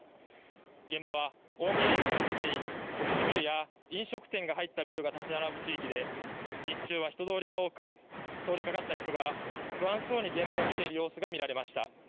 現場は大宮駅から近いオフィスビルや飲食店が入ったビルが建ち並ぶ地域で日中は人通りが多く通りかかった人が不安そうに現場を見ている様子が見られました。